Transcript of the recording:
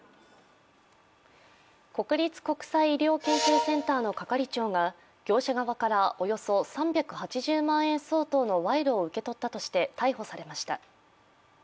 国立国際医療研究センターの係長が業者側からおよそ３８０万円相当の賄賂を受け取ったとして逮捕されました。